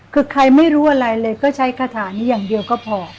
คือใครไม่รู้อะไรเลยก็ใช้คาถานี้อย่างเดียวก็พอ